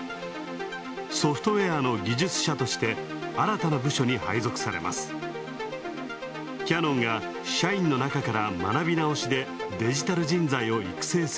ソフトウェアの技術者として新たな部署に配属されます。